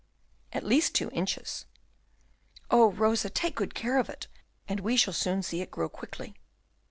"At least two inches." "Oh, Rosa, take good care of it, and we shall soon see it grow quickly."